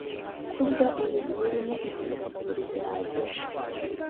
Kurya ibintu birimo intungamubiri zihagije